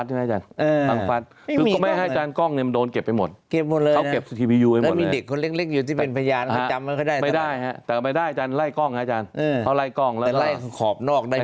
สำหรับเหตุที่เกิดเมื่อเราเห็นภาพข่าว